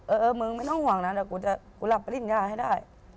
เออมึงไม่ต้องหวังนะแต่กูจะรับปริญญาให้ได้